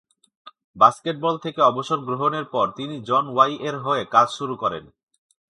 Basketball থেকে অবসর গ্রহণের পর তিনি জন ওয়াই-এর হয়ে কাজ শুরু করেন।